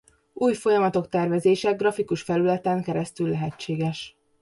Új folyamatok tervezése grafikus felületen keresztül lehetséges.